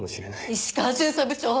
石川巡査部長！